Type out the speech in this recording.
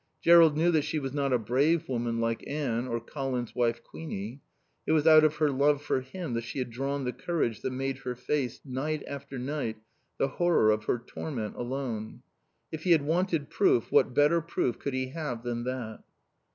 Jerrold knew that she was not a brave woman like Anne or Colin's wife, Queenie; it was out of her love for him that she had drawn the courage that made her face, night after night, the horror of her torment alone. If he had wanted proof, what better proof could he have than that?